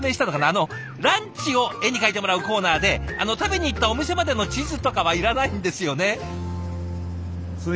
あのランチを絵に描いてもらうコーナーで食べに行ったお店までの地図とかはいらないんですよね。